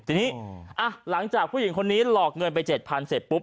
ทีนี้หลังจากผู้หญิงคนนี้หลอกเงินไป๗๐๐เสร็จปุ๊บ